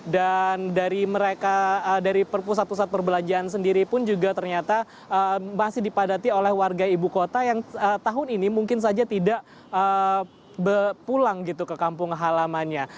dan dari mereka dari pusat pusat perbelanjaan sendiri pun juga ternyata masih dipadati oleh warga ibu kota yang tahun ini mungkin saja tidak pulang gitu ke kampungnya